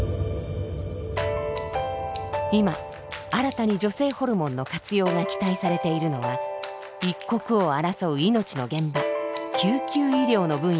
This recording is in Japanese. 今新たに女性ホルモンの活用が期待されているのは一刻を争う命の現場救急医療の分野です。